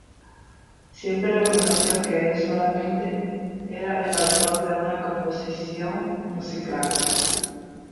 Siempre reconoció que El solamente era el autor de una composición musical.